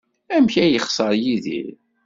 Amek ay yexṣer Yidir?